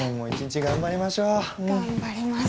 頑張りますか。